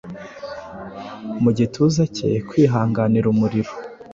mu gituza cye kwihanganira umuriro